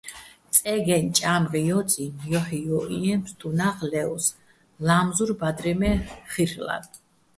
წე́გეჼ ჭა́მღი ჲო́წინო̆ ჲოჰ̦ ჲო́ჸჲიეჼ ფსტუნაღ ლე́ოს, ლა́მზურ ბადრი მე́ ხილ'რალო̆.